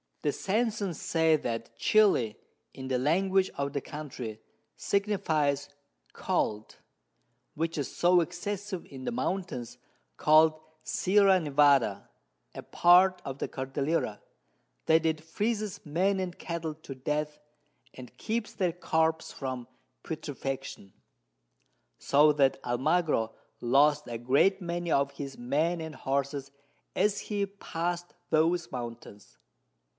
The Sansons say that Chili, in the Language of the Country, signifies Cold, which is so excessive in the Mountains call'd Sierra Nevada, a part of the Cordillera, that it freezes Men and Cattle to Death, and keeps their Corps from Putrefaction; so that Almagro lost a great many of his Men and Horses as he past those Mountains.